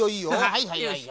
はいはいはい。